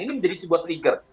ini menjadi sebuah trigger